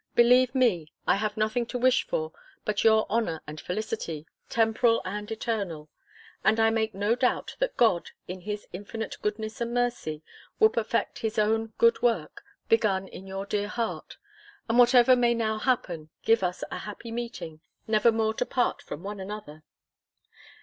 believe me, I have nothing to wish for but your honour and felicity, temporal and eternal; and I make no doubt, that God, in his infinite goodness and mercy, will perfect his own good work, begun in your dear heart; and, whatever may now happen, give us a happy meeting, never more to part from one another.